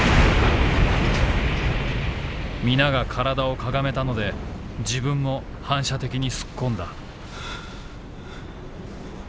「皆が躯を屈めたので自分も反射的にすっ込んだ」。